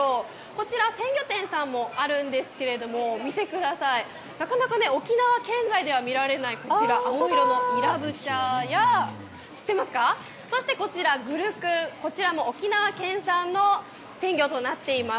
こちら鮮魚店さんもあるんですけれども見てください、なかなか沖縄県外では見られない青色のいらぶちゃ、そしてこちらぐるくん、こちらも沖縄県産の鮮魚となっています。